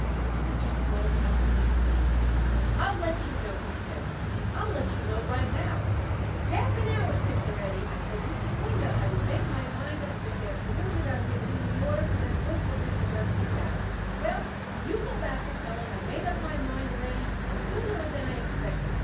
Mr. Small jumped to his feet. "I'll let you know," he said "I'll let you know right now. Half an hour since already I told Mr. Klinger I would make up my mind this afternoon about giving him the order for them goods what Mr. Burke picked out. Well, you go back and tell him I made up my mind already, sooner than I expected.